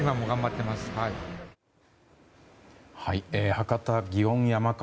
博多祇園山笠。